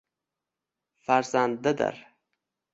Farzandidir!